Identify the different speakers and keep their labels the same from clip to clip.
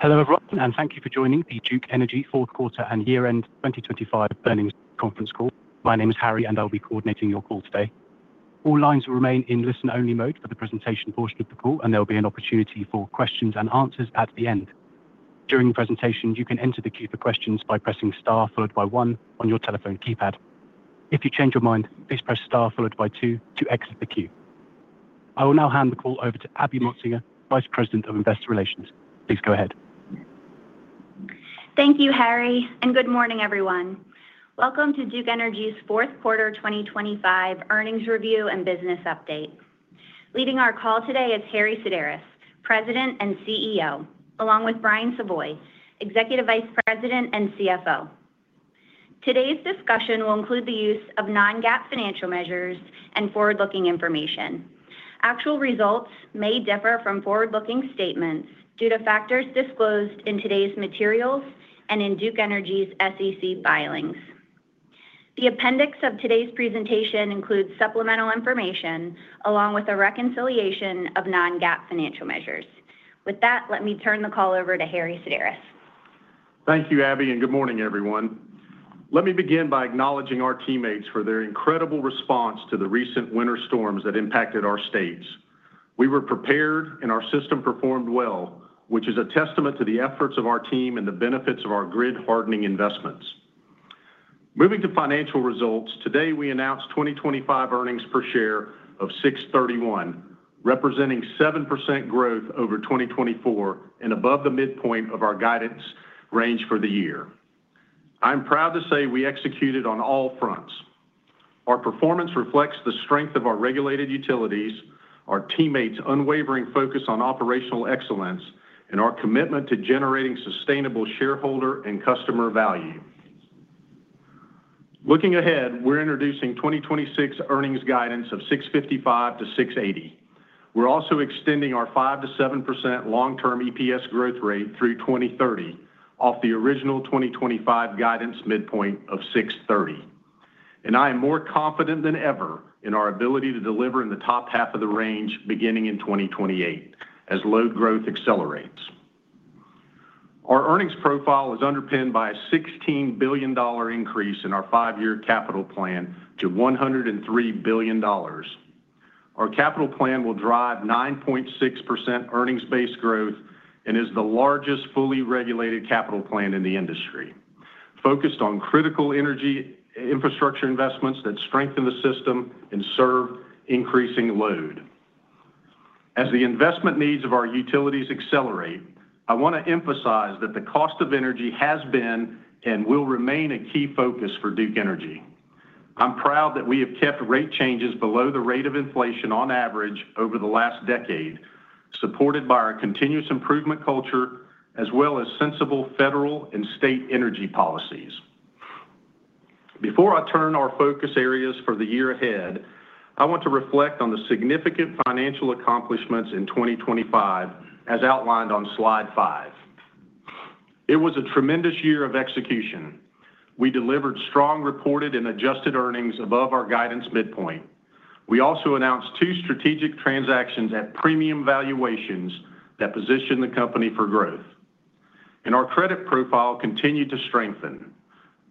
Speaker 1: Hello everyone, and thank you for joining the Duke Energy fourth quarter and year-end 2025 earnings conference call. My name is Harry, and I'll be coordinating your call today. All lines will remain in listen-only mode for the presentation portion of the call, and there will be an opportunity for questions and answers at the end. During the presentation, you can enter the queue for questions by pressing * followed by 1 on your telephone keypad. If you change your mind, please press * followed by 2 to exit the queue. I will now hand the call over to Abby Motsinger, Vice President of Investor Relations. Please go ahead.
Speaker 2: Thank you, Harry, and good morning everyone. Welcome to Duke Energy's fourth quarter 2025 earnings review and business update. Leading our call today is Harry Sideris, President and CEO, along with Brian Savoy, Executive Vice President and CFO. Today's discussion will include the use of non-GAAP financial measures and forward-looking information. Actual results may differ from forward-looking statements due to factors disclosed in today's materials and in Duke Energy's SEC filings. The appendix of today's presentation includes supplemental information along with a reconciliation of non-GAAP financial measures. With that, let me turn the call over to Harry Sideris.
Speaker 3: Thank you, Abby, and good morning everyone. Let me begin by acknowledging our teammates for their incredible response to the recent winter storms that impacted our states. We were prepared, and our system performed well, which is a testament to the efforts of our team and the benefits of our grid-hardening investments. Moving to financial results, today we announced 2025 earnings per share of $6.31, representing 7% growth over 2024 and above the midpoint of our guidance range for the year. I'm proud to say we executed on all fronts. Our performance reflects the strength of our regulated utilities, our teammates' unwavering focus on operational excellence, and our commitment to generating sustainable shareholder and customer value. Looking ahead, we're introducing 2026 earnings guidance of $6.55-$6.80. We're also extending our 5%-7% long-term EPS growth rate through 2030 off the original 2025 guidance midpoint of $6.30. I am more confident than ever in our ability to deliver in the top half of the range beginning in 2028 as load growth accelerates. Our earnings profile is underpinned by a $16 billion increase in our five-year capital plan to $103 billion. Our capital plan will drive 9.6% earnings-based growth and is the largest fully regulated capital plan in the industry, focused on critical energy infrastructure investments that strengthen the system and serve increasing load. As the investment needs of our utilities accelerate, I want to emphasize that the cost of energy has been and will remain a key focus for Duke Energy. I'm proud that we have kept rate changes below the rate of inflation on average over the last decade, supported by our continuous improvement culture as well as sensible federal and state energy policies. Before I turn our focus areas for the year ahead, I want to reflect on the significant financial accomplishments in 2025 as outlined on slide 5. It was a tremendous year of execution. We delivered strong reported and adjusted earnings above our guidance midpoint. We also announced two strategic transactions at premium valuations that positioned the company for growth. And our credit profile continued to strengthen.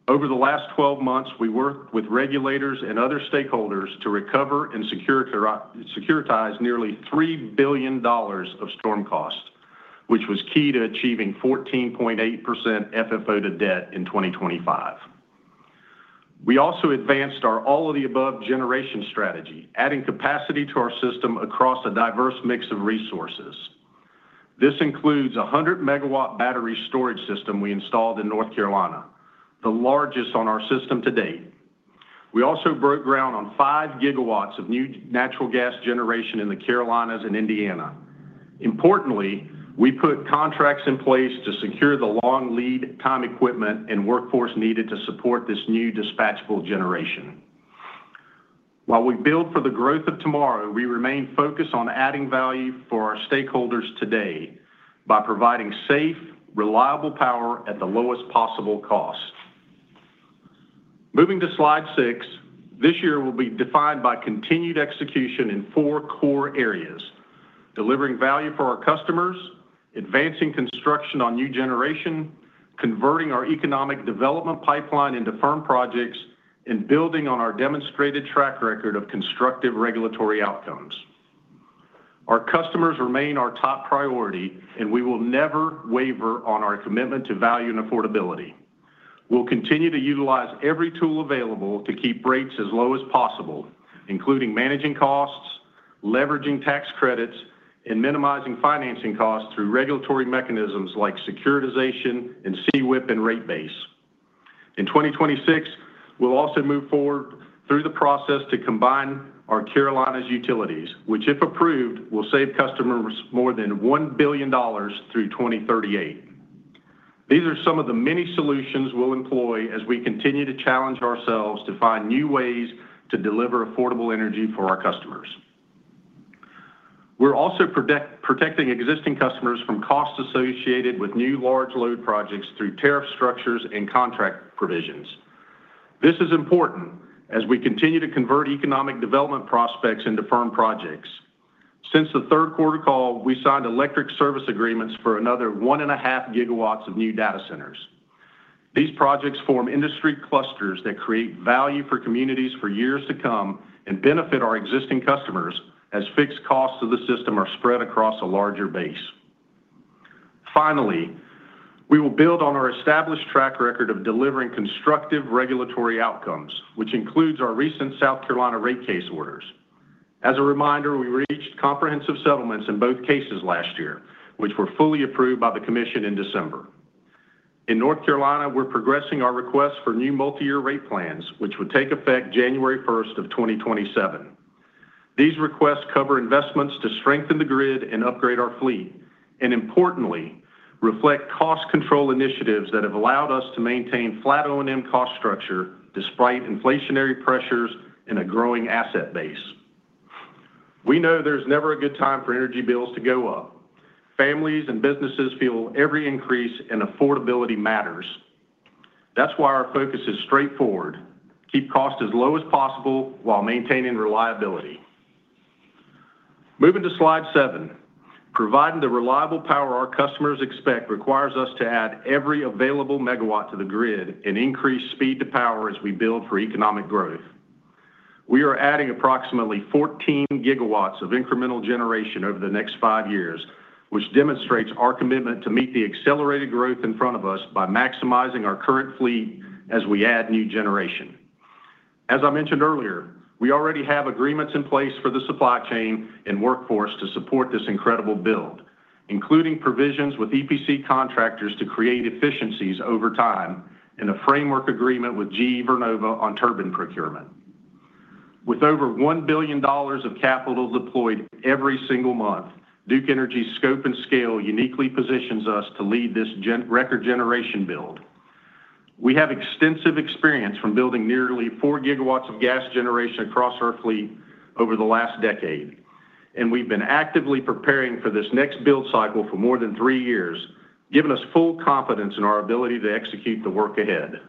Speaker 3: Over the last 12 months, we worked with regulators and other stakeholders to recover and securitize nearly $3 billion of storm cost, which was key to achieving 14.8% FFO to debt in 2025. We also advanced our all-of-the-above generation strategy, adding capacity to our system across a diverse mix of resources. This includes a 100-MW battery storage system we installed in North Carolina, the largest on our system to date. We also broke ground on 5 gigawatts of new natural gas generation in the Carolinas and Indiana. Importantly, we put contracts in place to secure the long lead time equipment and workforce needed to support this new dispatchable generation. While we build for the growth of tomorrow, we remain focused on adding value for our stakeholders today by providing safe, reliable power at the lowest possible cost. Moving to slide 6, this year will be defined by continued execution in four core areas: delivering value for our customers, advancing construction on new generation, converting our economic development pipeline into firm projects, and building on our demonstrated track record of constructive regulatory outcomes. Our customers remain our top priority, and we will never waver on our commitment to value and affordability. We'll continue to utilize every tool available to keep rates as low as possible, including managing costs, leveraging tax credits, and minimizing financing costs through regulatory mechanisms like securitization and CWIP and rate base. In 2026, we'll also move forward through the process to combine our Carolinas utilities, which, if approved, will save customers more than $1 billion through 2038. These are some of the many solutions we'll employ as we continue to challenge ourselves to find new ways to deliver affordable energy for our customers. We're also protecting existing customers from costs associated with new large load projects through tariff structures and contract provisions. This is important as we continue to convert economic development prospects into firm projects. Since the third quarter call, we signed electric service agreements for another 1.5 GW of new data centers. These projects form industry clusters that create value for communities for years to come and benefit our existing customers as fixed costs of the system are spread across a larger base. Finally, we will build on our established track record of delivering constructive regulatory outcomes, which includes our recent South Carolina rate case orders. As a reminder, we reached comprehensive settlements in both cases last year, which were fully approved by the Commission in December. In North Carolina, we're progressing our requests for new multi-year rate plans, which would take effect January 1st of 2027. These requests cover investments to strengthen the grid and upgrade our fleet, and importantly, reflect cost control initiatives that have allowed us to maintain flat O&M cost structure despite inflationary pressures and a growing asset base. We know there's never a good time for energy bills to go up. Families and businesses feel every increase in affordability matters. That's why our focus is straightforward: keep costs as low as possible while maintaining reliability. Moving to slide 7, providing the reliable power our customers expect requires us to add every available megawatt to the grid and increase speed to power as we build for economic growth. We are adding approximately 14 GW of incremental generation over the next five years, which demonstrates our commitment to meet the accelerated growth in front of us by maximizing our current fleet as we add new generation. As I mentioned earlier, we already have agreements in place for the supply chain and workforce to support this incredible build, including provisions with EPC contractors to create efficiencies over time and a framework agreement with GE Vernova on turbine procurement. With over $1 billion of capital deployed every single month, Duke Energy's scope and scale uniquely positions us to lead this record generation build. We have extensive experience from building nearly 4 gigawatts of gas generation across our fleet over the last decade, and we've been actively preparing for this next build cycle for more than 3 years, giving us full confidence in our ability to execute the work ahead.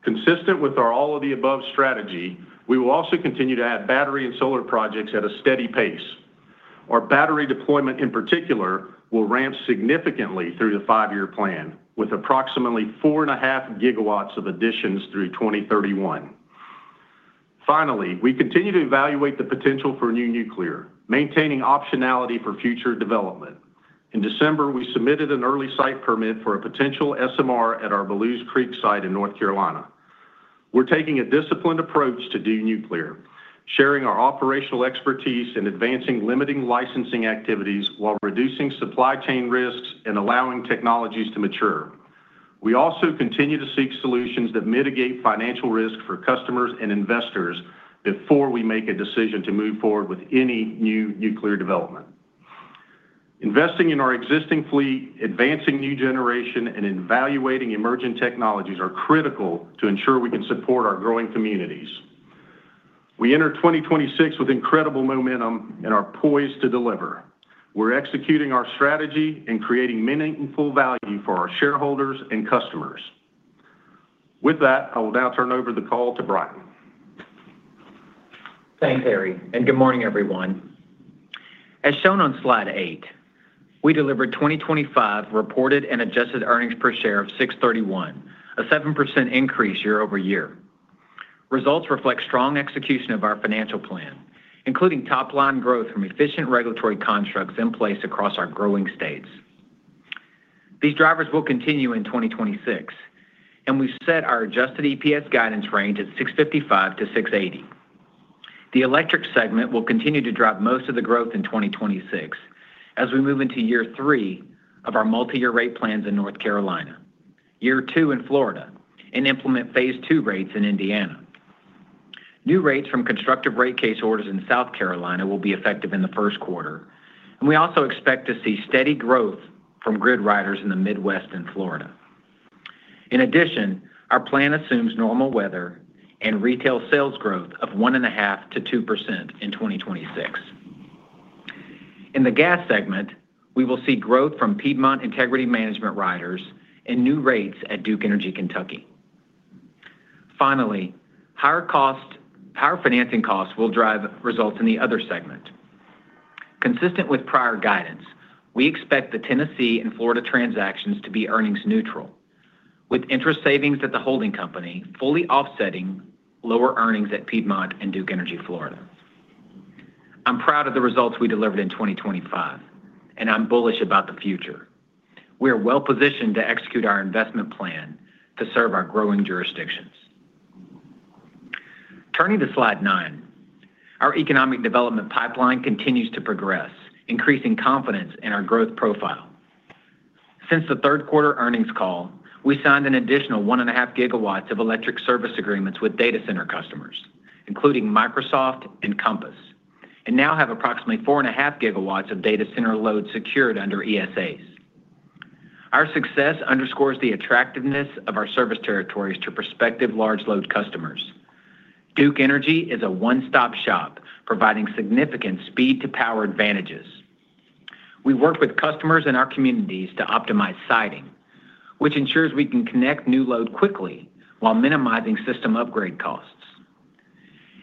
Speaker 3: Consistent with our all-of-the-above strategy, we will also continue to add battery and solar projects at a steady pace. Our battery deployment, in particular, will ramp significantly through the 5-year plan, with approximately 4.5 gigawatts of additions through 2031. Finally, we continue to evaluate the potential for new nuclear, maintaining optionality for future development. In December, we submitted an early site permit for a potential SMR at our Belews Creek site in North Carolina. We're taking a disciplined approach to do nuclear, sharing our operational expertise and advancing limited licensing activities while reducing supply chain risks and allowing technologies to mature. We also continue to seek solutions that mitigate financial risk for customers and investors before we make a decision to move forward with any new nuclear development. Investing in our existing fleet, advancing new generation, and evaluating emerging technologies are critical to ensure we can support our growing communities. We enter 2026 with incredible momentum and are poised to deliver. We're executing our strategy and creating meaningful value for our shareholders and customers. With that, I will now turn over the call to Brian.
Speaker 4: Thanks, Harry, and good morning everyone. As shown on slide 8, we delivered 2025 reported and adjusted earnings per share of $6.31, a 7% increase year over year. Results reflect strong execution of our financial plan, including top-line growth from efficient regulatory constructs in place across our growing states. These drivers will continue in 2026, and we've set our adjusted EPS guidance range at $6.55-$6.80. The electric segment will continue to drive most of the growth in 2026 as we move into year 3 of our multi-year rate plans in North Carolina, year 2 in Florida, and implement phase 2 rates in Indiana. New rates from constructive rate case orders in South Carolina will be effective in the first quarter, and we also expect to see steady growth from grid riders in the Midwest and Florida. In addition, our plan assumes normal weather and retail sales growth of 1.5%-2% in 2026. In the gas segment, we will see growth from Piedmont Integrity Management riders and new rates at Duke Energy Kentucky. Finally, higher financing costs will drive results in the other segment. Consistent with prior guidance, we expect the Tennessee and Florida transactions to be earnings-neutral, with interest savings at the holding company fully offsetting lower earnings at Piedmont and Duke Energy Florida. I'm proud of the results we delivered in 2025, and I'm bullish about the future. We are well-positioned to execute our investment plan to serve our growing jurisdictions. Turning to slide 9, our economic development pipeline continues to progress, increasing confidence in our growth profile. Since the third quarter earnings call, we signed an additional 1.5 GW of electric service agreements with data center customers, including Microsoft and Compass, and now have approximately 4.5 GW of data center load secured under ESAs. Our success underscores the attractiveness of our service territories to prospective large load customers. Duke Energy is a one-stop shop, providing significant speed-to-power advantages. We work with customers in our communities to optimize siting, which ensures we can connect new load quickly while minimizing system upgrade costs.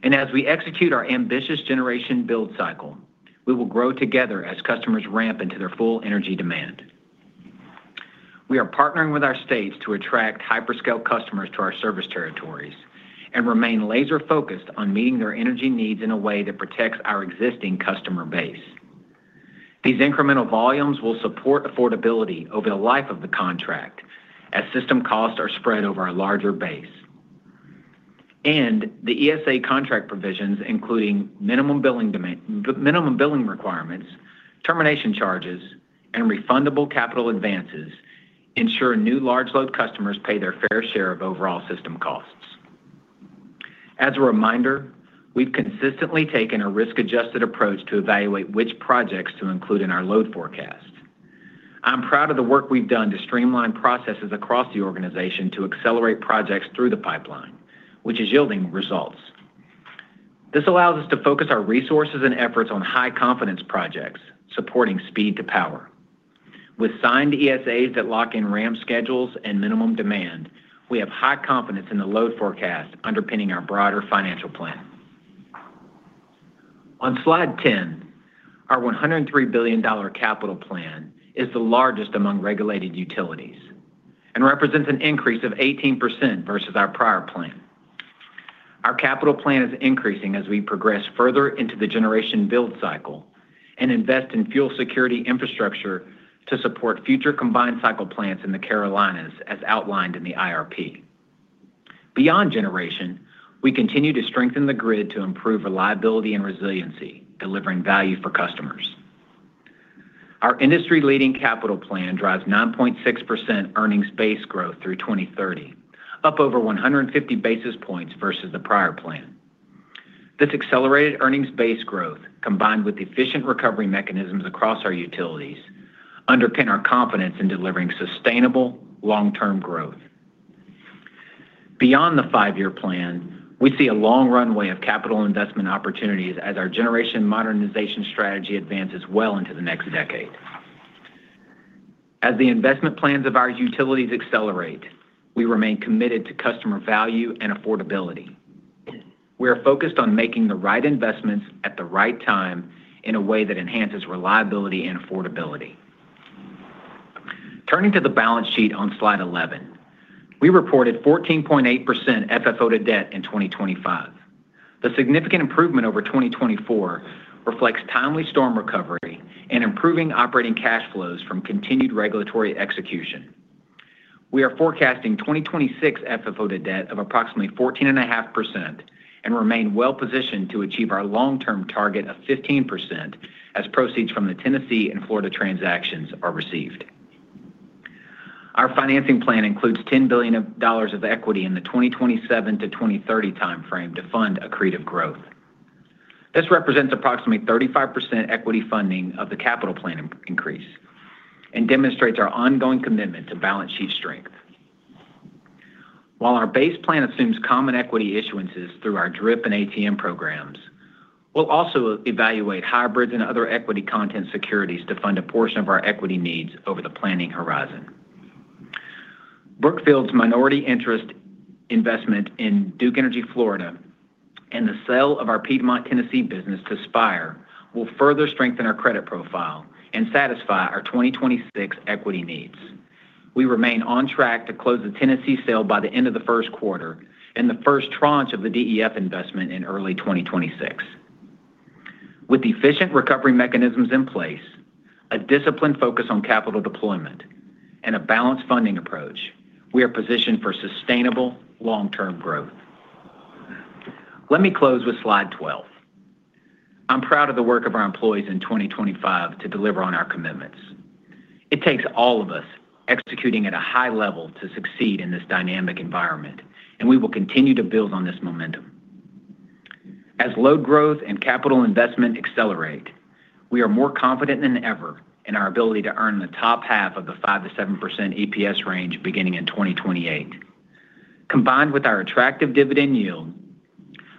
Speaker 4: As we execute our ambitious generation build cycle, we will grow together as customers ramp into their full energy demand. We are partnering with our states to attract hyperscale customers to our service territories and remain laser-focused on meeting their energy needs in a way that protects our existing customer base. These incremental volumes will support affordability over the life of the contract as system costs are spread over a larger base. The ESA contract provisions, including minimum billing requirements, termination charges, and refundable capital advances, ensure new large load customers pay their fair share of overall system costs. As a reminder, we've consistently taken a risk-adjusted approach to evaluate which projects to include in our load forecast. I'm proud of the work we've done to streamline processes across the organization to accelerate projects through the pipeline, which is yielding results. This allows us to focus our resources and efforts on high-confidence projects, supporting speed to power. With signed ESAs that lock in ramp schedules and minimum demand, we have high confidence in the load forecast underpinning our broader financial plan. On slide 10, our $103 billion capital plan is the largest among regulated utilities and represents an increase of 18% versus our prior plan. Our capital plan is increasing as we progress further into the generation build cycle and invest in fuel security infrastructure to support future combined cycle plants in the Carolinas, as outlined in the IRP. Beyond generation, we continue to strengthen the grid to improve reliability and resiliency, delivering value for customers. Our industry-leading capital plan drives 9.6% earnings-based growth through 2030, up over 150 basis points versus the prior plan. This accelerated earnings-based growth, combined with efficient recovery mechanisms across our utilities, underpin our confidence in delivering sustainable, long-term growth. Beyond the five-year plan, we see a long runway of capital investment opportunities as our generation modernization strategy advances well into the next decade. As the investment plans of our utilities accelerate, we remain committed to customer value and affordability. We are focused on making the right investments at the right time in a way that enhances reliability and affordability. Turning to the balance sheet on slide 11, we reported 14.8% FFO to debt in 2025. The significant improvement over 2024 reflects timely storm recovery and improving operating cash flows from continued regulatory execution. We are forecasting 2026 FFO to debt of approximately 14.5% and remain well-positioned to achieve our long-term target of 15% as proceeds from the Tennessee and Florida transactions are received. Our financing plan includes $10 billion of equity in the 2027 to 2030 time frame to fund accretive growth. This represents approximately 35% equity funding of the capital plan increase and demonstrates our ongoing commitment to balance sheet strength. While our base plan assumes common equity issuances through our DRIP and ATM programs, we'll also evaluate hybrids and other equity content securities to fund a portion of our equity needs over the planning horizon. Brookfield's minority interest investment in Duke Energy Florida and the sale of our Piedmont Tennessee business to Spire will further strengthen our credit profile and satisfy our 2026 equity needs. We remain on track to close the Tennessee sale by the end of the first quarter and the first tranche of the DEF investment in early 2026. With efficient recovery mechanisms in place, a disciplined focus on capital deployment, and a balanced funding approach, we are positioned for sustainable, long-term growth. Let me close with slide 12. I'm proud of the work of our employees in 2025 to deliver on our commitments. It takes all of us executing at a high level to succeed in this dynamic environment, and we will continue to build on this momentum. As load growth and capital investment accelerate, we are more confident than ever in our ability to earn the top half of the 5%-7% EPS range beginning in 2028. Combined with our attractive dividend yield,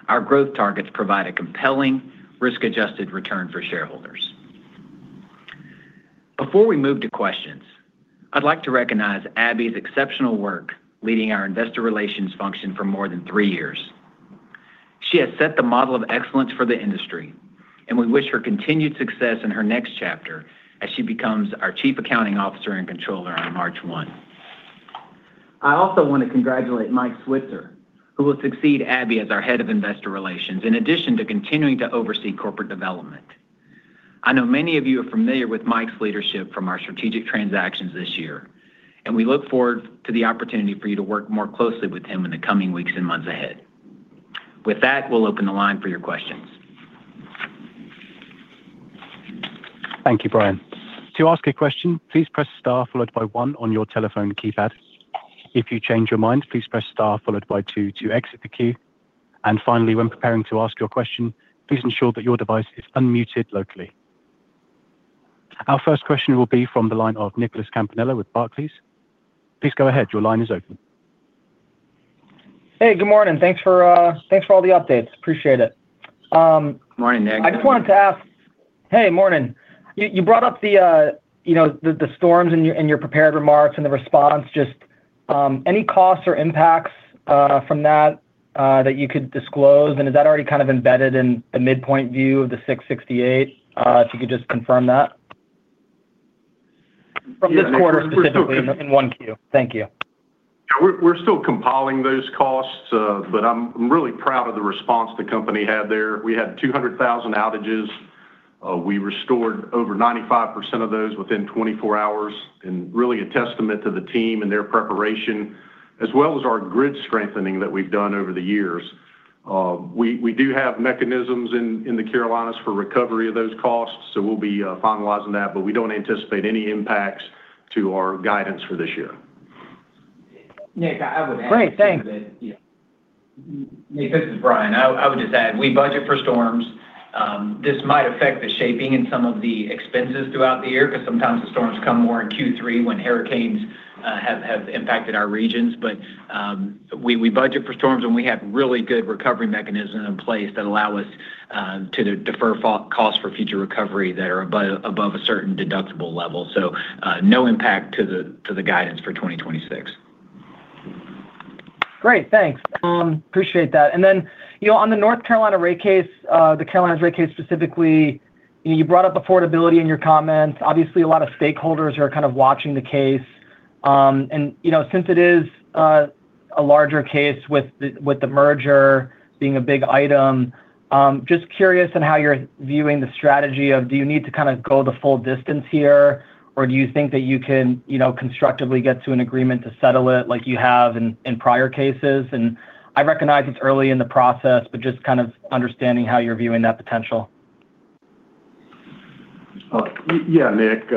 Speaker 4: our growth targets provide a compelling, risk-adjusted return for shareholders. Before we move to questions, I'd like to recognize Abby's exceptional work leading our investor relations function for more than three years. She has set the model of excellence for the industry, and we wish her continued success in her next chapter as she becomes our Chief Accounting Officer and Controller on March 1. I also want to congratulate Mike Switzer, who will succeed Abby as our Head of Investor Relations, in addition to continuing to oversee corporate development. I know many of you are familiar with Mike's leadership from our strategic transactions this year, and we look forward to the opportunity for you to work more closely with him in the coming weeks and months ahead. With that, we'll open the line for your questions.
Speaker 1: Thank you, Brian. To ask a question, please press star followed by 1 on your telephone keypad. If you change your mind, please press star followed by 2 to exit the queue. And finally, when preparing to ask your question, please ensure that your device is unmuted locally. Our first question will be from the line of Nicholas Campanella with Barclays. Please go ahead. Your line is open.
Speaker 5: Hey, good morning. Thanks for all the updates. Appreciate it.
Speaker 3: Morning, Daniel.
Speaker 5: I just wanted to ask. Hey, morning. You brought up the storms and your prepared remarks and the response. Just any costs or impacts from that that you could disclose? And is that already kind of embedded in the midpoint view of the 668? If you could just confirm that.
Speaker 3: From this quarter specifically?
Speaker 5: Yes, we're still in one queue. Thank you.
Speaker 3: Yeah, we're still compiling those costs, but I'm really proud of the response the company had there. We had 200,000 outages. We restored over 95% of those within 24 hours, and really a testament to the team and their preparation, as well as our grid strengthening that we've done over the years. We do have mechanisms in the Carolinas for recovery of those costs, so we'll be finalizing that. But we don't anticipate any impacts to our guidance for this year.
Speaker 4: Nick, I would add to that.
Speaker 5: Great. Thanks.
Speaker 4: Nick, this is Brian. I would just add, we budget for storms. This might affect the shaping in some of the expenses throughout the year because sometimes the storms come more in Q3 when hurricanes have impacted our regions. But we budget for storms, and we have really good recovery mechanisms in place that allow us to defer costs for future recovery that are above a certain deductible level. So no impact to the guidance for 2026.
Speaker 5: Great. Thanks. Appreciate that. And then on the North Carolina rate case, the Carolinas rate case specifically, you brought up affordability in your comments. Obviously, a lot of stakeholders are kind of watching the case. And since it is a larger case with the merger being a big item, just curious on how you're viewing the strategy of, do you need to kind of go the full distance here, or do you think that you can constructively get to an agreement to settle it like you have in prior cases? And I recognize it's early in the process, but just kind of understanding how you're viewing that potential.
Speaker 3: Yeah, Nick.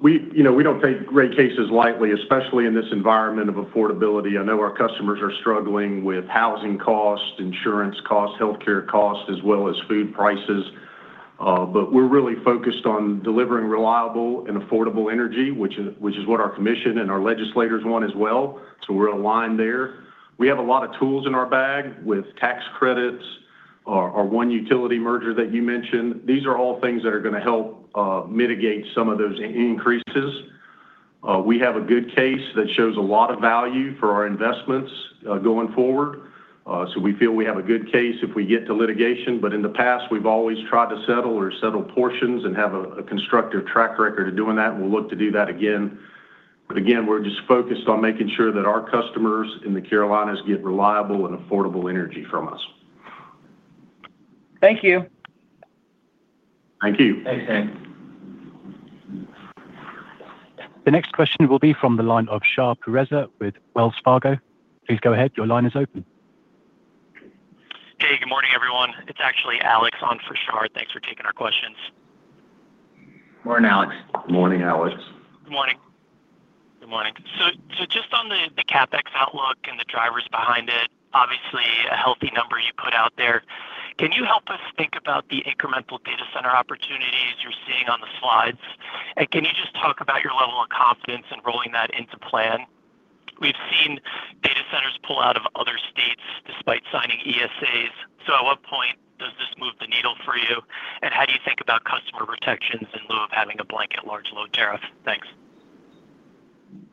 Speaker 3: We don't take rate cases lightly, especially in this environment of affordability. I know our customers are struggling with housing costs, insurance costs, healthcare costs, as well as food prices. But we're really focused on delivering reliable and affordable energy, which is what our commission and our legislators want as well. So we're aligned there. We have a lot of tools in our bag with tax credits, our one utility merger that you mentioned. These are all things that are going to help mitigate some of those increases. We have a good case that shows a lot of value for our investments going forward. So we feel we have a good case if we get to litigation. But in the past, we've always tried to settle or settle portions and have a constructive track record of doing that, and we'll look to do that again. But again, we're just focused on making sure that our customers in the Carolinas get reliable and affordable energy from us.
Speaker 5: Thank you.
Speaker 3: Thank you.
Speaker 4: Thanks, Daniel.
Speaker 1: The next question will be from the line of Shah Pourreza with Wells Fargo. Please go ahead. Your line is open.
Speaker 6: Hey, good morning, everyone. It's actually Alex on for Shah. Thanks for taking our questions.
Speaker 4: Morning, Alex.
Speaker 3: Good morning, Alex.
Speaker 6: Good morning. Good morning. So just on the CapEx outlook and the drivers behind it, obviously, a healthy number you put out there. Can you help us think about the incremental data center opportunities you're seeing on the slides? And can you just talk about your level of confidence in rolling that into plan? We've seen data centers pull out of other states despite signing ESAs. So at what point does this move the needle for you? And how do you think about customer protections in lieu of having a blanket large load tariff? Thanks.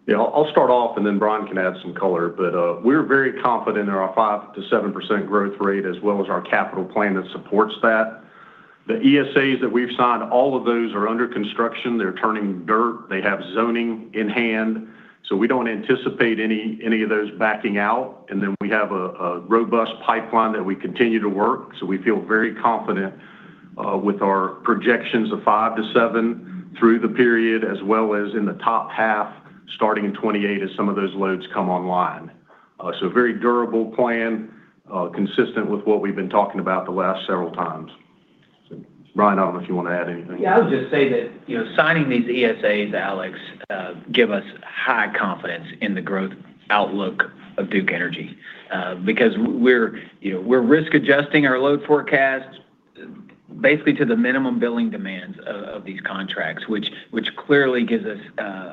Speaker 3: Yeah, I'll start off, and then Brian can add some color. But we're very confident in our 5%-7% growth rate, as well as our capital plan that supports that. The ESAs that we've signed, all of those are under construction. They're turning dirt. They have zoning in hand. So we don't anticipate any of those backing out. And then we have a robust pipeline that we continue to work. So we feel very confident with our projections of 5%-7% through the period, as well as in the top half starting in 2028 as some of those loads come online. So a very durable plan, consistent with what we've been talking about the last several times. Brian, I don't know if you want to add anything.
Speaker 4: Yeah, I would just say that signing these ESAs, Alex, gives us high confidence in the growth outlook of Duke Energy because we're risk-adjusting our load forecasts basically to the minimum billing demands of these contracts, which clearly gives us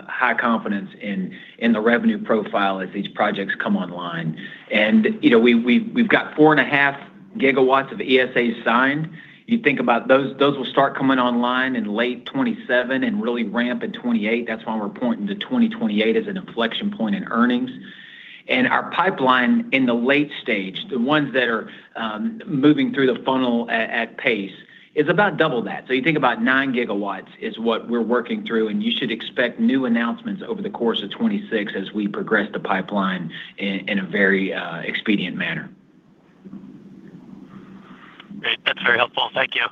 Speaker 4: high confidence in the revenue profile as these projects come online. And we've got 4.5 gigawatts of ESAs signed. You think about those, those will start coming online in late 2027 and really ramp in 2028. That's why we're pointing to 2028 as an inflection point in earnings. And our pipeline in the late stage, the ones that are moving through the funnel at pace, is about double that. So you think about 9 gigawatts is what we're working through, and you should expect new announcements over the course of 2026 as we progress the pipeline in a very expedient manner.
Speaker 6: Great. That's very helpful. Thank you.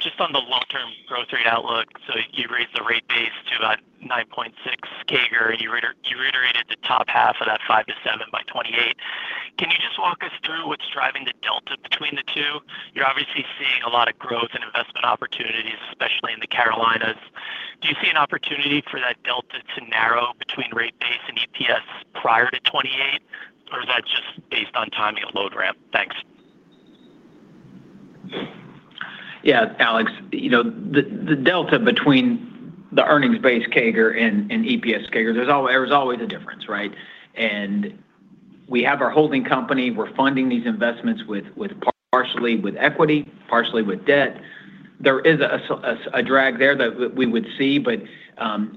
Speaker 6: Just on the long-term growth rate outlook, so you raised the rate base to about 9.6%, and you reiterated the top half of that 5%-7% by 2028. Can you just walk us through what's driving the delta between the two? You're obviously seeing a lot of growth and investment opportunities, especially in the Carolinas. Do you see an opportunity for that delta to narrow between rate base and EPS prior to 2028, or is that just based on timing of load ramp? Thanks.
Speaker 4: Yeah, Alex, the delta between the earnings base CAGR and EPS CAGR, there's always a difference, right? And we have our holding company. We're funding these investments partially with equity, partially with debt. There is a drag there that we would see, but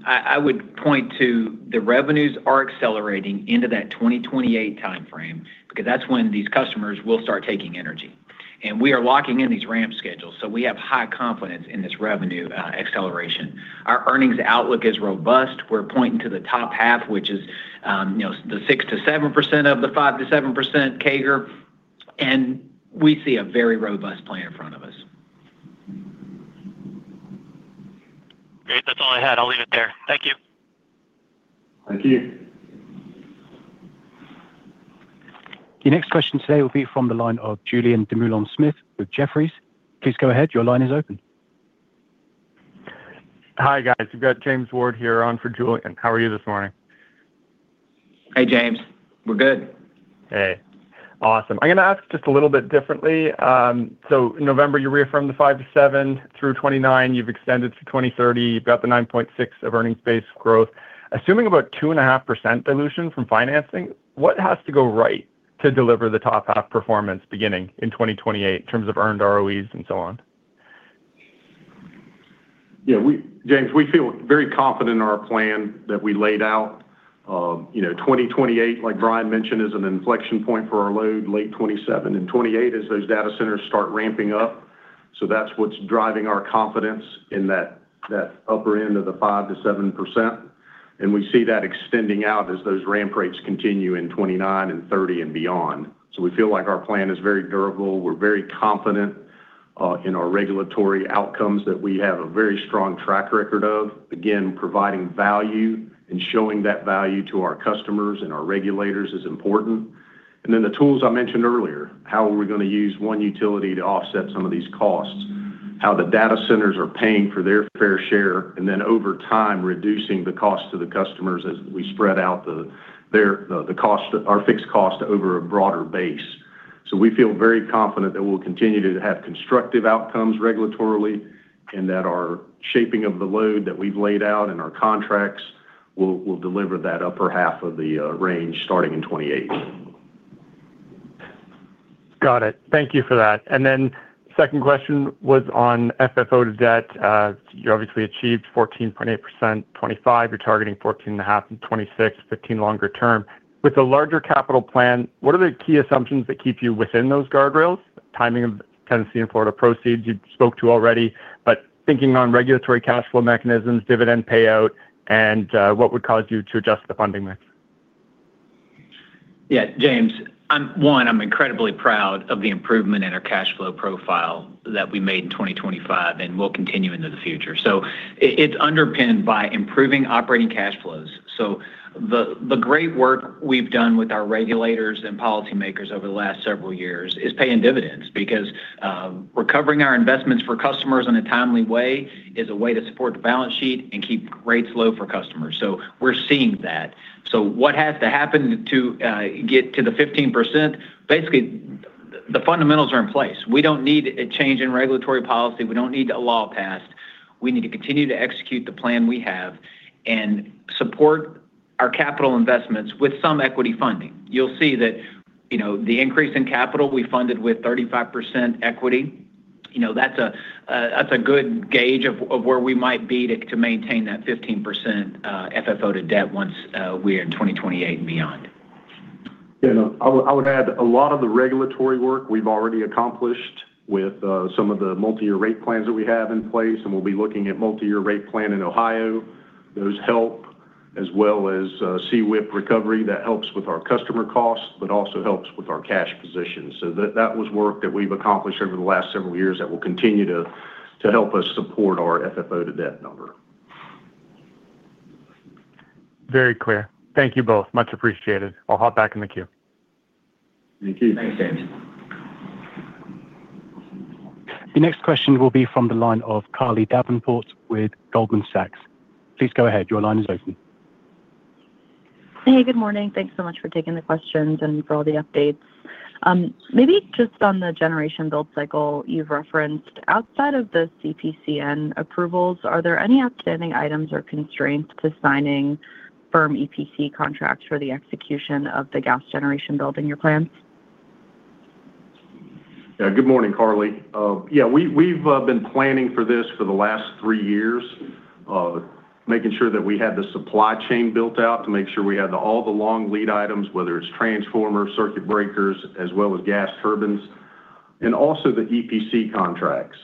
Speaker 4: I would point to the revenues are accelerating into that 2028 time frame because that's when these customers will start taking energy. And we are locking in these ramp schedules, so we have high confidence in this revenue acceleration. Our earnings outlook is robust. We're pointing to the top half, which is the 6%-7% of the 5%-7% CAGR. And we see a very robust plan in front of us.
Speaker 6: Great. That's all I had. I'll leave it there. Thank you.
Speaker 3: Thank you.
Speaker 1: The next question today will be from the line of Julian Dumoulin-Smith with Jefferies. Please go ahead. Your line is open.
Speaker 7: Hi, guys. We've got James Ward here on for Julian. How are you this morning?
Speaker 4: Hey, James. We're good.
Speaker 7: Hey. Awesome. I'm going to ask just a little bit differently. So in November, you reaffirmed the 5-7 through 2029. You've extended to 2030. You've got the 9.6 of earnings base growth. Assuming about 2.5% dilution from financing, what has to go right to deliver the top half performance beginning in 2028 in terms of earned ROEs and so on?
Speaker 3: Yeah, James, we feel very confident in our plan that we laid out. 2028, like Brian mentioned, is an inflection point for our load, late 2027. And 2028 is those data centers start ramping up. So that's what's driving our confidence in that upper end of the 5%-7%. And we see that extending out as those ramp rates continue in 2029 and 2030 and beyond. So we feel like our plan is very durable. We're very confident in our regulatory outcomes that we have a very strong track record of, again, providing value and showing that value to our customers and our regulators is important. And then the tools I mentioned earlier, how are we going to use one utility to offset some of these costs, how the data centers are paying for their fair share, and then over time reducing the cost to the customers as we spread out our fixed cost over a broader base. So we feel very confident that we'll continue to have constructive outcomes regulatorily and that our shaping of the load that we've laid out and our contracts will deliver that upper half of the range starting in 2028.
Speaker 7: Got it. Thank you for that. And then second question was on FFO to debt. You obviously achieved 14.8% 2025. You're targeting 14.5 in 2026, 15% longer term. With a larger capital plan, what are the key assumptions that keep you within those guardrails? Timing of Tennessee and Florida proceeds, you spoke to already, but thinking on regulatory cash flow mechanisms, dividend payout, and what would cause you to adjust the funding mix?
Speaker 4: Yeah, James, one, I'm incredibly proud of the improvement in our cash flow profile that we made in 2025 and will continue into the future. So it's underpinned by improving operating cash flows. So the great work we've done with our regulators and policymakers over the last several years is paying dividends because recovering our investments for customers in a timely way is a way to support the balance sheet and keep rates low for customers. So we're seeing that. So what has to happen to get to the 15%? Basically, the fundamentals are in place. We don't need a change in regulatory policy. We don't need a law passed. We need to continue to execute the plan we have and support our capital investments with some equity funding. You'll see that the increase in capital we funded with 35% equity, that's a good gauge of where we might be to maintain that 15% FFO to debt once we're in 2028 and beyond.
Speaker 3: Yeah, no, I would add a lot of the regulatory work we've already accomplished with some of the multi-year rate plans that we have in place. We'll be looking at multi-year rate plan in Ohio. Those help, as well as CWIP recovery. That helps with our customer costs, but also helps with our cash positions. That was work that we've accomplished over the last several years that will continue to help us support our FFO to debt number.
Speaker 7: Very clear. Thank you both. Much appreciated. I'll hop back in the queue.
Speaker 3: Thank you.
Speaker 4: Thanks, James.
Speaker 1: The next question will be from the line of Carly Davenport with Goldman Sachs. Please go ahead. Your line is open.
Speaker 8: Hey, good morning. Thanks so much for taking the questions and for all the updates. Maybe just on the generation build cycle you've referenced, outside of the CPCN approvals, are there any outstanding items or constraints to signing firm EPC contracts for the execution of the gas generation build in your plans?
Speaker 3: Yeah, good morning, Carly. Yeah, we've been planning for this for the last three years, making sure that we had the supply chain built out to make sure we had all the long lead items, whether it's transformers, circuit breakers, as well as gas turbines, and also the EPC contracts.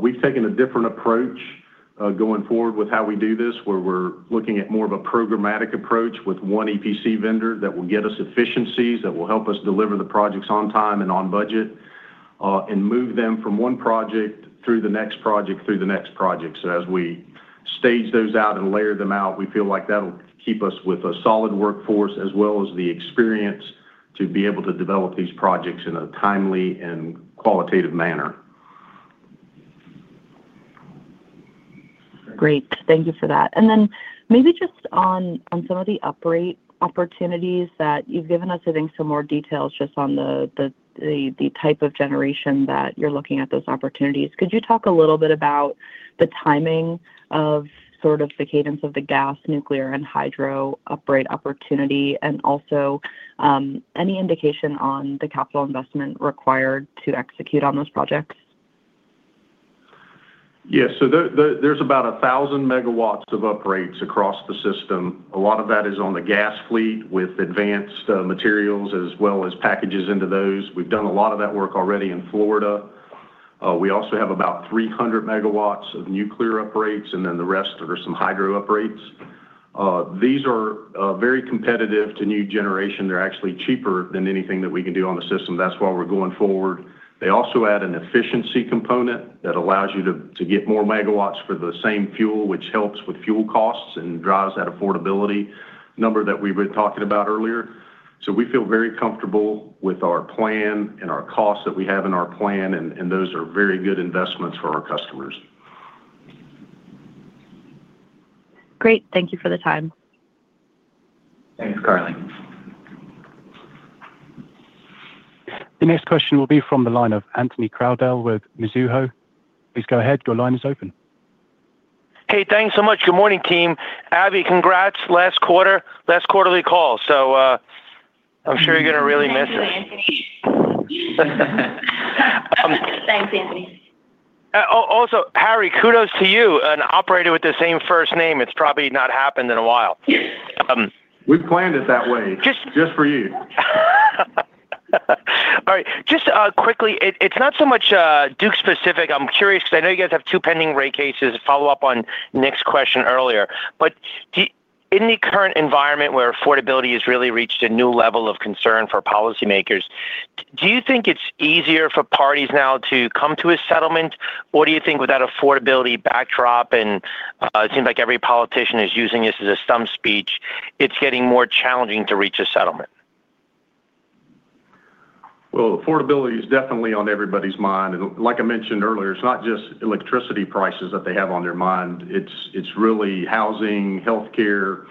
Speaker 3: We've taken a different approach going forward with how we do this, where we're looking at more of a programmatic approach with one EPC vendor that will get us efficiencies that will help us deliver the projects on time and on budget and move them from one project through the next project through the next project. So as we stage those out and layer them out, we feel like that'll keep us with a solid workforce, as well as the experience to be able to develop these projects in a timely and qualitative manner.
Speaker 8: Great. Thank you for that. And then maybe just on some of the uprate opportunities that you've given us, I think, some more details just on the type of generation that you're looking at those opportunities. Could you talk a little bit about the timing of sort of the cadence of the gas, nuclear, and hydro uprate opportunity, and also any indication on the capital investment required to execute on those projects?
Speaker 3: Yeah, so there's about 1,000 megawatts of uprates across the system. A lot of that is on the gas fleet with advanced materials, as well as packages into those. We've done a lot of that work already in Florida. We also have about 300 megawatts of nuclear uprates, and then the rest are some hydro uprates. These are very competitive to new generation. They're actually cheaper than anything that we can do on the system. That's why we're going forward. They also add an efficiency component that allows you to get more megawatts for the same fuel, which helps with fuel costs and drives that affordability number that we were talking about earlier. So we feel very comfortable with our plan and our costs that we have in our plan, and those are very good investments for our customers.
Speaker 8: Great. Thank you for the time.
Speaker 4: Thanks, Carly.
Speaker 1: The next question will be from the line of Anthony Crowdell with Mizuho. Please go ahead. Your line is open.
Speaker 9: Hey, thanks so much. Good morning, team. Abby, congrats. Last quarter, last quarterly call. I'm sure you're going to really miss it.
Speaker 3: Thanks, Anthony.
Speaker 9: Also, Harry, kudos to you, an operator with the same first name. It's probably not happened in a while.
Speaker 3: We planned it that way just for you.
Speaker 9: All right. Just quickly, it's not so much Duke specific. I'm curious because I know you guys have 2 pending rate cases to follow up on Nick's question earlier. But in the current environment where affordability has really reached a new level of concern for policymakers, do you think it's easier for parties now to come to a settlement, or do you think with that affordability backdrop, and it seems like every politician is using this as a stump speech, it's getting more challenging to reach a settlement?
Speaker 3: Well, affordability is definitely on everybody's mind. Like I mentioned earlier, it's not just electricity prices that they have on their mind. It's really housing, healthcare,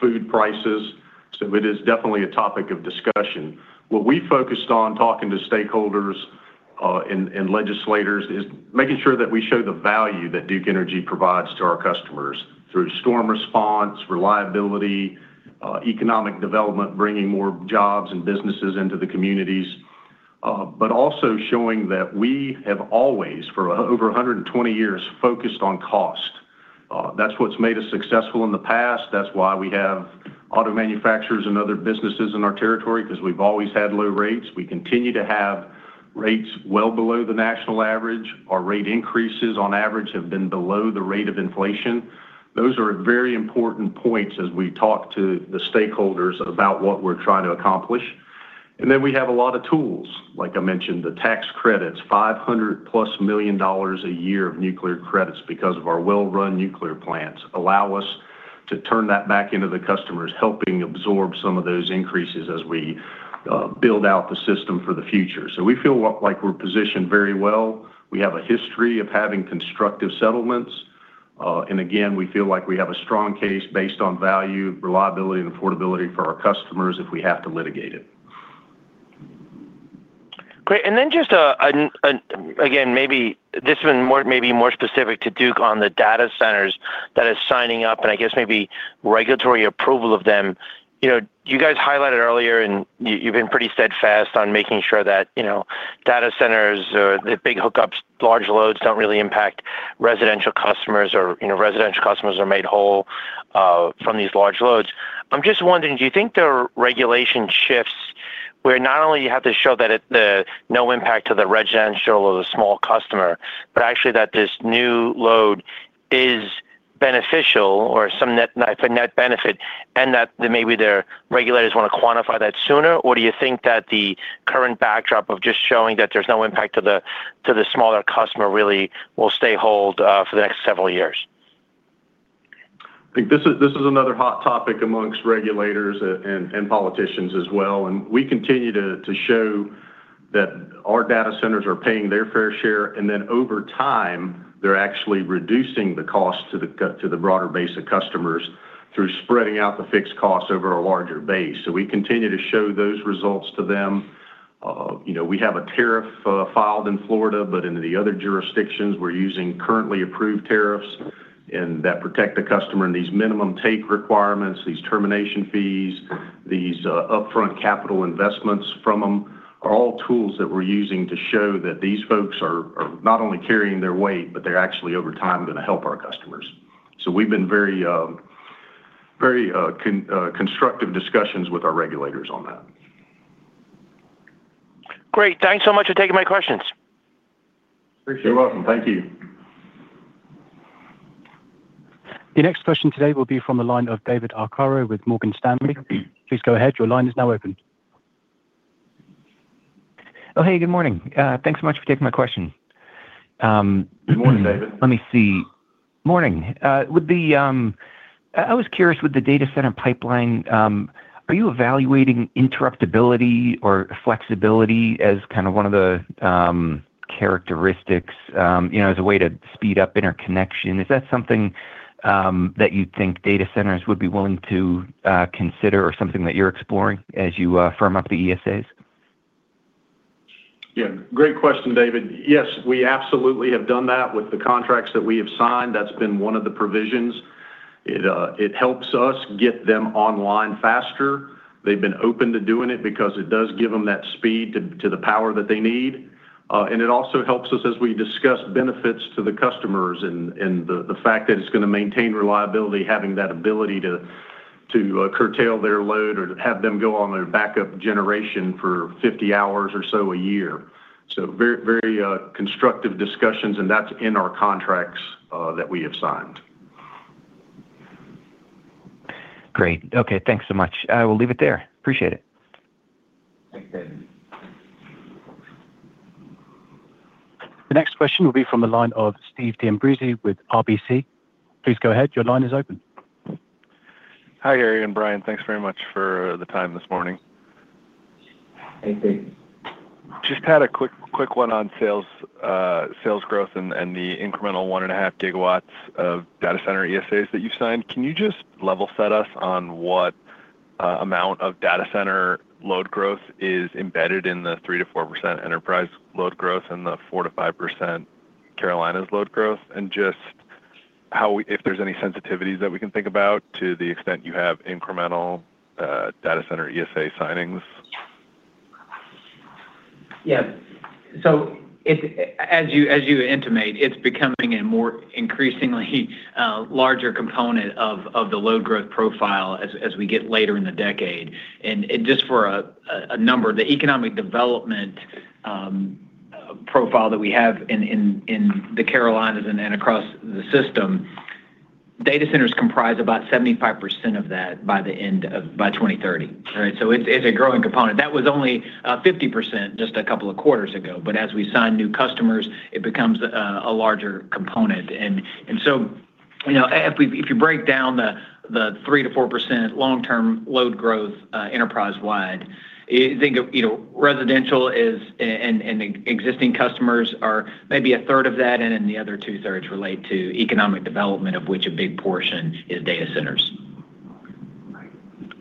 Speaker 3: food prices. So it is definitely a topic of discussion. What we focused on talking to stakeholders and legislators is making sure that we show the value that Duke Energy provides to our customers through storm response, reliability, economic development, bringing more jobs and businesses into the communities, but also showing that we have always, for over 120 years, focused on cost. That's what's made us successful in the past. That's why we have auto manufacturers and other businesses in our territory because we've always had low rates. We continue to have rates well below the national average. Our rate increases, on average, have been below the rate of inflation. Those are very important points as we talk to the stakeholders about what we're trying to accomplish. And then we have a lot of tools. Like I mentioned, the tax credits, $500-plus million a year of nuclear credits because of our well-run nuclear plants allow us to turn that back into the customers, helping absorb some of those increases as we build out the system for the future. So we feel like we're positioned very well. We have a history of having constructive settlements. And again, we feel like we have a strong case based on value, reliability, and affordability for our customers if we have to litigate it.
Speaker 9: Great. And then just again, maybe this one may be more specific to Duke on the data centers that are signing up and I guess maybe regulatory approval of them. You guys highlighted earlier, and you've been pretty steadfast on making sure that data centers or the big hookups, large loads don't really impact residential customers or residential customers are made whole from these large loads. I'm just wondering, do you think there are regulatory shifts where not only you have to show that it's no impact to the residential or the small customer, but actually that this new load is beneficial or some net benefit, and that maybe their regulators want to quantify that sooner? Or do you think that the current backdrop of just showing that there's no impact to the smaller customer really will stay hold for the next several years?
Speaker 3: I think this is another hot topic among regulators and politicians as well. And we continue to show that our data centers are paying their fair share, and then over time, they're actually reducing the cost to the broader base of customers through spreading out the fixed cost over a larger base. So we continue to show those results to them. We have a tariff filed in Florida, but in the other jurisdictions, we're using currently approved tariffs that protect the customer. And these minimum take requirements, these termination fees, these upfront capital investments from them are all tools that we're using to show that these folks are not only carrying their weight, but they're actually, over time, going to help our customers. So we've been very constructive discussions with our regulators on that.
Speaker 9: Great. Thanks so much for taking my questions.
Speaker 3: Appreciate it. You're welcome. Thank you.
Speaker 1: The next question today will be from the line of David Arcaro with Morgan Stanley. Please go ahead. Your line is now open.
Speaker 10: Oh, hey, good morning. Thanks so much for taking my question.
Speaker 3: Good morning, David.
Speaker 10: Let me see. Morning. I was curious with the data center pipeline, are you evaluating interruptibility or flexibility as kind of one of the characteristics as a way to speed up interconnection? Is that something that you think data centers would be willing to consider or something that you're exploring as you firm up the ESAs?
Speaker 3: Yeah, great question, David. Yes, we absolutely have done that with the contracts that we have signed. That's been one of the provisions. It helps us get them online faster. They've been open to doing it because it does give them that speed to the power that they need. And it also helps us, as we discussed, benefits to the customers in the fact that it's going to maintain reliability, having that ability to curtail their load or have them go on their backup generation for 50 hours or so a year. So very constructive discussions, and that's in our contracts that we have signed.
Speaker 10: Great. Okay, thanks so much. We'll leave it there. Appreciate it.
Speaker 4: Thanks, David.
Speaker 1: The next question will be from the line of Stephen D'Ambrisi with RBC. Please go ahead. Your line is open.
Speaker 11: Hi, Harry and Brian. Thanks very much for the time this morning.
Speaker 4: Hey, Steve.
Speaker 11: Just had a quick one on sales growth and the incremental 1.5 GW of data center ESAs that you've signed. Can you just level set us on what amount of data center load growth is embedded in the 3%-4% enterprise load growth and the 4%-5% Carolinas load growth, and just if there's any sensitivities that we can think about to the extent you have incremental data center ESA signings?
Speaker 4: Yeah. So as you intimate, it's becoming a more increasingly larger component of the load growth profile as we get later in the decade. And just for a number, the economic development profile that we have in the Carolinas and across the system, data centers comprise about 75% of that by the end of 2030, right? So it's a growing component. That was only 50% just a couple of quarters ago, but as we sign new customers, it becomes a larger component. And so if you break down the 3%-4% long-term load growth enterprise-wide, I think residential and existing customers are maybe a third of that, and then the other two-thirds relate to economic development, of which a big portion is data centers.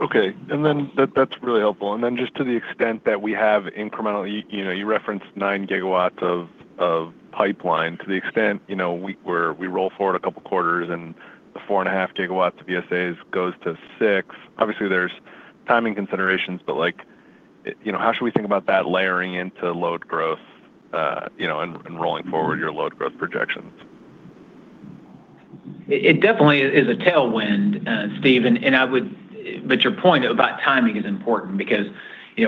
Speaker 11: Okay. And then that's really helpful. And then just to the extent that we have incrementally you referenced 9 GW of pipeline. To the extent where we roll forward a couple of quarters and the 4.5 GW of ESAs goes to 6, obviously, there's timing considerations, but how should we think about that layering into load growth and rolling forward your load growth projections?
Speaker 4: It definitely is a tailwind, Steve. But your point about timing is important because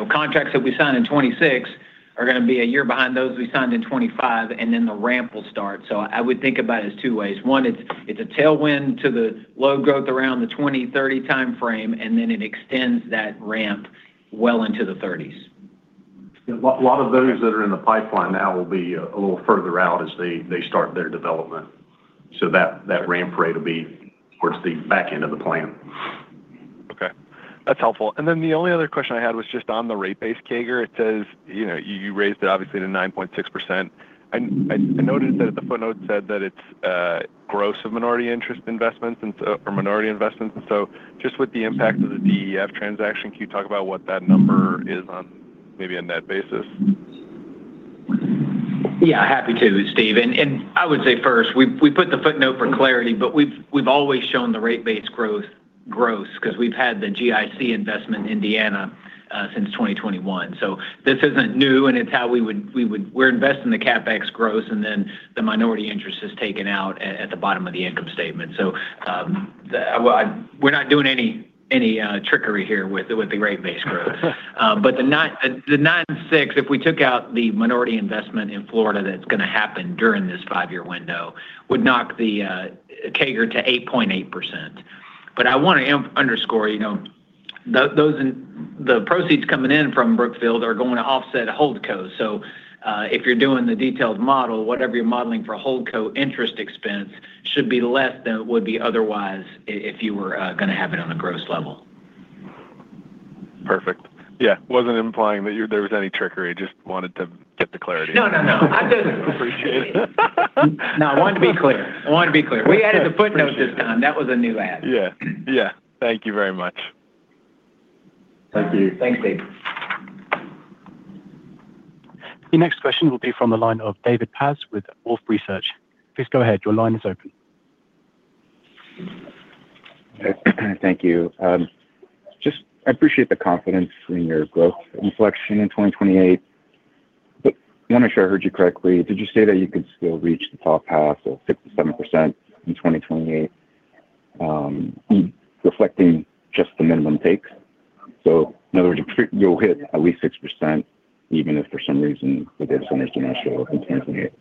Speaker 4: contracts that we signed in 2026 are going to be a year behind those we signed in 2025, and then the ramp will start. So I would think about it as two ways. One, it's a tailwind to the load growth around the 2030 timeframe, and then it extends that ramp well into the 2030s.
Speaker 3: Yeah, a lot of those that are in the pipeline now will be a little further out as they start their development. So that ramp rate will be towards the back end of the plan.
Speaker 11: Okay. That's helpful. And then the only other question I had was just on the rate-based CAGR. It says you raised it, obviously, to 9.6%. I noted that the footnote said that it's growth of minority interest investments or minority investments. And so just with the impact of the DEF transaction, can you talk about what that number is on maybe a net basis?
Speaker 4: Yeah, happy to, Steve. And I would say first, we put the footnote for clarity, but we've always shown the rate-based growth because we've had the GIC investment in Indiana since 2021. So this isn't new, and it's how we're investing the CapEx growth, and then the minority interest is taken out at the bottom of the income statement. So we're not doing any trickery here with the rate-based growth. But the 9.6, if we took out the minority investment in Florida that's going to happen during this five-year window, would knock the CAGR to 8.8%. But I want to underscore the proceeds coming in from Brookfield are going to offset a Holdco. If you're doing the detailed model, whatever you're modeling for holdco interest expense should be less than it would be otherwise if you were going to have it on a gross level.
Speaker 11: Perfect. Yeah, wasn't implying that there was any trickery. Just wanted to get the clarity.
Speaker 4: No, no, no. I just.
Speaker 11: Appreciate it.
Speaker 4: No, I wanted to be clear. I wanted to be clear. We added the footnote this time. That was a new add.
Speaker 11: Yeah. Yeah. Thank you very much.
Speaker 4: Thank you.
Speaker 3: Thanks, Steve.
Speaker 1: The next question will be from the line of David Paz with Wolfe Research. Please go ahead. Your line is open.
Speaker 12: Thank you. I appreciate the confidence in your growth inflection in 2028. But I want to make sure I heard you correctly. Did you say that you could still reach the top half or 6%-7% in 2028 reflecting just the minimum takes? So in other words, you'll hit at least 6% even if for some reason the data centers do not show up in 2028.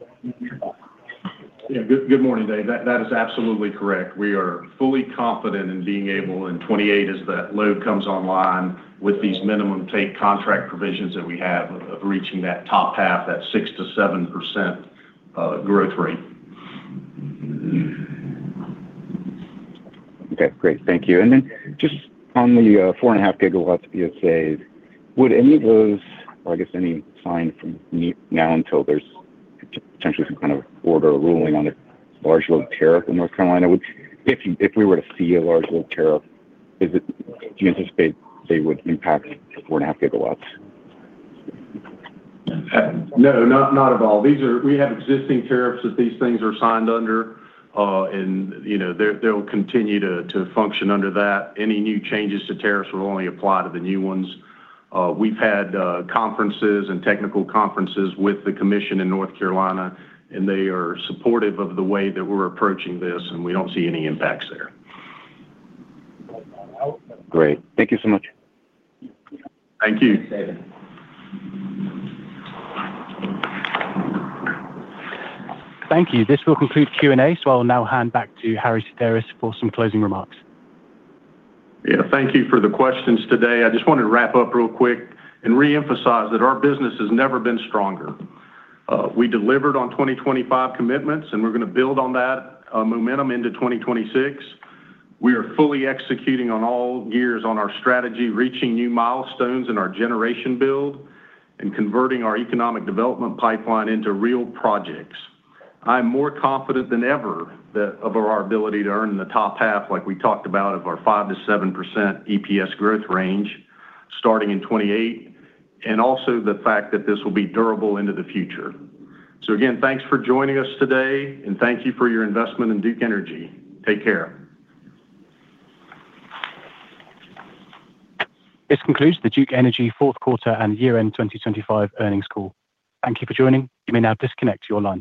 Speaker 3: Yeah. Good morning, Dave. That is absolutely correct. We are fully confident in being able in 2028 as that load comes online with these minimum take contract provisions that we have of reaching that top half, that 6%-7% growth rate.
Speaker 12: Okay. Great. Thank you. And then just on the 4.5 gigawatts ESAs, would any of those or I guess any signed from now until there's potentially some kind of order ruling on a large load tariff in North Carolina? If we were to see a large load tariff, do you anticipate they would impact 4.5 gigawatts?
Speaker 3: No, not at all. We have existing tariffs that these things are signed under, and they'll continue to function under that. Any new changes to tariffs will only apply to the new ones. We've had conferences and technical conferences with the commission in North Carolina, and they are supportive of the way that we're approaching this, and we don't see any impacts there.
Speaker 12: Great. Thank you so much.
Speaker 3: Thank you.
Speaker 4: Thank you.
Speaker 1: Thank you. This will conclude Q&A, so I'll now hand back to Harry Sideris for some closing remarks.
Speaker 3: Yeah. Thank you for the questions today. I just wanted to wrap up real quick and reemphasize that our business has never been stronger. We delivered on 2025 commitments, and we're going to build on that momentum into 2026. We are fully executing on all gears on our strategy, reaching new milestones in our generation build, and converting our economic development pipeline into real projects. I am more confident than ever of our ability to earn the top half, like we talked about, of our 5%-7% EPS growth range starting in 2028, and also the fact that this will be durable into the future. So again, thanks for joining us today, and thank you for your investment in Duke Energy. Take care.
Speaker 1: This concludes the Duke Energy fourth quarter and year-end 2025 earnings call. Thank you for joining. You may now disconnect your line.